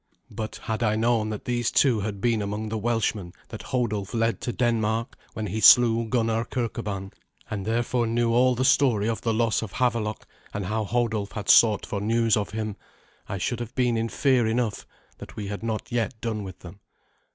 But had I known that these two had been among the Welshmen that Hodulf led to Denmark when he slew Gunnar Kirkeban, and therefore knew all the story of the loss of Havelok, and how Hodulf had sought for news of him, I should have been in fear enough that we had not yet done with them.